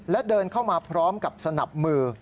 และเดินเข้ามาพร้อมกับสนับมือ